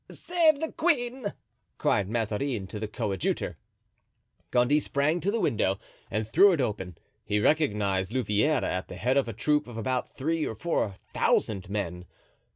"Save the queen!" cried Mazarin to the coadjutor. Gondy sprang to the window and threw it open; he recognized Louvieres at the head of a troop of about three or four thousand men.